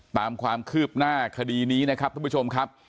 ตามความคืบหน้าคดีนี้นะครับทุกผู้ชมครับ